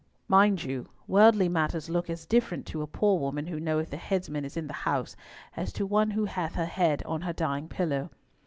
Mind you, worldly matters look as different to a poor woman who knoweth the headsman is in the house, as to one who hath her head on her dying pillow.